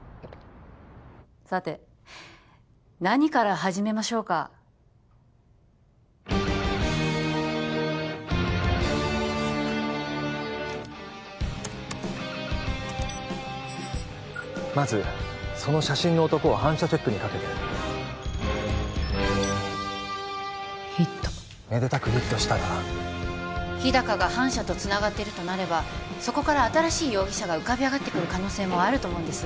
さて何から始めましょうかまずその写真の男を反社チェックにかけてヒット☎めでたくヒットしたら日高が反社とつながってるとなればそこから新しい容疑者が浮かび上がってくる可能性もあると思うんです